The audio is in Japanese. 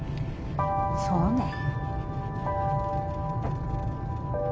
そうね。